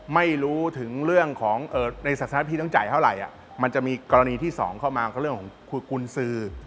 ไม่รู้ถึงเรื่องของในสถานะพี่ต้องจ่ายเท่าไหร่มันจะมีกรณีที่สองเข้ามาก็เรื่องของคุยกุญสือ